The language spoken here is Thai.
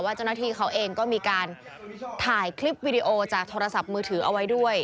เจ้าหน้าที่เขาเองก็มีการถ่ายคลิปวิดีโอจากโทรศัพท์มือถือเอาไว้ด้วย